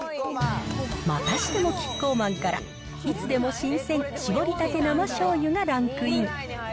またしてもキッコーマンから、いつでも新鮮しぼりたて生しょうゆがランクイン。